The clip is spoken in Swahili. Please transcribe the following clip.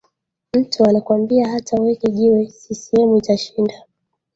mtu anakwambia hata uweke jiwe ccm itashinda